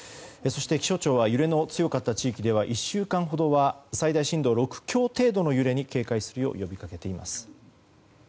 そして、気象庁は揺れの強かった地域では１週間ほどは最大震度６強程度の揺れに警戒するよう呼び掛けています。